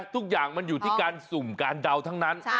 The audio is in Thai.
ทุกอย่างมันอยู่ที่การสุ่มการเดาทั้งนั้น